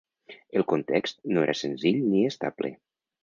El context no era senzill ni estable.